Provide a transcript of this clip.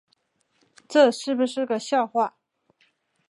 这是不是个笑话